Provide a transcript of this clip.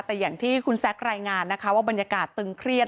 แต่อย่างที่คุณแซครายงานนะคะว่าบรรยากาศตึงเครียด